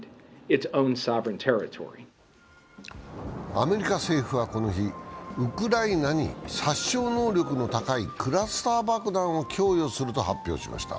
アメリカ政府はこの日ウクライナに殺傷能力の高いクラスター爆弾を供与すると発表しました。